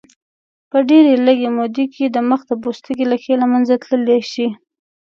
په ډېرې لږې موده کې د مخ د پوستکي لکې له منځه تللی شي.